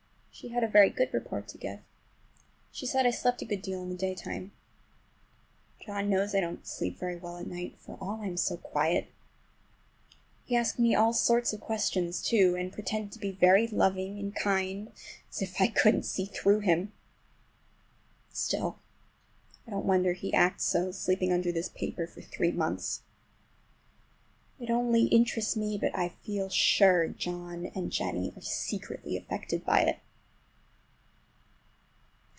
She had a very good report to give. She said I slept a good deal in the daytime. John knows I don't sleep very well at night, for all I'm so quiet! He asked me all sorts of questions, too, and pretended to be very loving and kind. As if I couldn't see through him! Still, I don't wonder he acts so, sleeping under this paper for three months. It only interests me, but I feel sure John and Jennie are secretly affected by it.